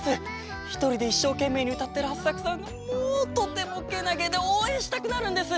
ひとりでいっしょうけんめいにうたってるハッサクさんがもうとてもけなげでおうえんしたくなるんです！